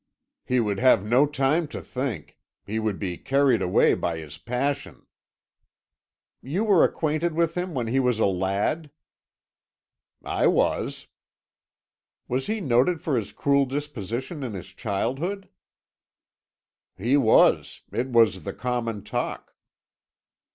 "He would have no time to think; he would be carried away by his passion." "You were acquainted with him when he was a lad?" "I was." "Was he noted for his cruel disposition in his childhood?" "He was; it was the common talk."